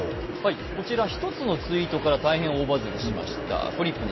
こちら、１つのツイートから大変大バズりしました。